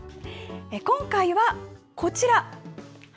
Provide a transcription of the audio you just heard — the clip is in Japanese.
今回は、こちら。